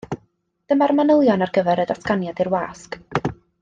Dyma'r manylion ar gyfer y datganiad i'r wasg.